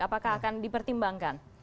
apakah akan dipertimbangkan